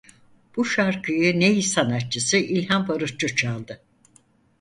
Bu şarkıyı ney sanatçısı İlhan Barutçu çaldı.